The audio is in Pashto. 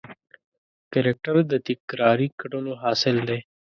کرکټر د تکراري کړنو حاصل دی.